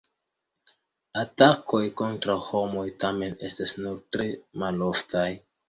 Atakoj kontraŭ homoj tamen estas nur tre maloftaj.